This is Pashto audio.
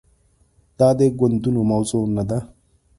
دا د ګوندونو موضوع نه ده.